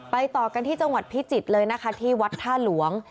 ต่อกันที่จังหวัดพิจิตรเลยนะคะที่วัดท่าหลวง